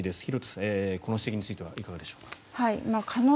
廣瀬さん、この指摘についてはいかがでしょうか。